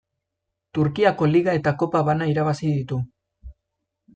Turkiako Liga eta Kopa bana irabazi ditu.